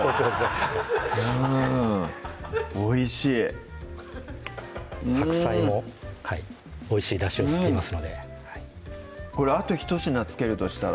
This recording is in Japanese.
うんおいしい白菜もおいしいだしを吸ってますのでこれあとひと品付けるとしたら？